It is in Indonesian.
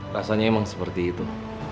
rasanya emang seperti itu